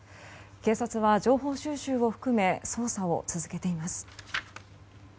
警察は情報収集を含め捜査を続けています。